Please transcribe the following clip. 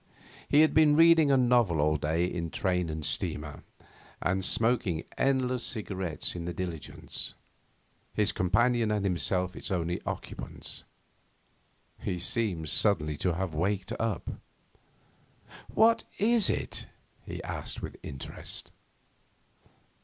He had been reading a novel all day in train and steamer, and smoking endless cigarettes in the diligence, his companion and himself its only occupants. He seemed suddenly to have waked up. 'What is it?' he asked with interest.